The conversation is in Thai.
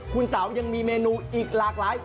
คุณเต๋ายังมีเมนูอีกหลากหลาย